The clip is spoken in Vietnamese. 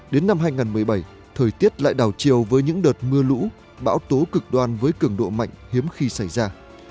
đến năm hai nghìn một mươi bảy thời tiết lại đào chiều với những đợt mưa lũ bão tố cực đoan với cường độ mạnh hiếm khi xảy ra